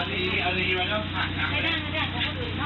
เขาจะไปแชร์เขา